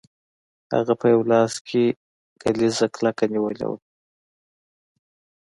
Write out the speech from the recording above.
هغه په یو لاس کې کلیزه کلکه نیولې وه